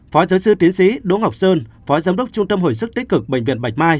phó giáo sư tiến sĩ đỗ ngọc sơn phó giám đốc trung tâm hồi sức tích cực bệnh viện bạch mai